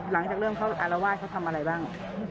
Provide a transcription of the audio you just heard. หลังจากเริ่มเขาอารวาสเขาทำอะไรบ้าง